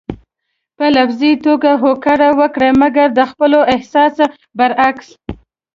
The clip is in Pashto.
په لفظي توګه هوکړه وکړئ مګر د خپل احساس برعکس.